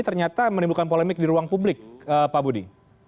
ternyata menimbulkan polemik di ruang publik pak budi